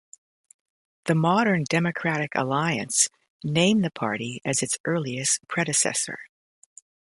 The modern Democratic Alliance name the party as its earliest predecessor.